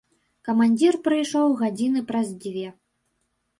Камандзір прыйшоў гадзіны праз дзве.